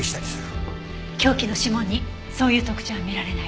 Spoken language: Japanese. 凶器の指紋にそういう特徴は見られない。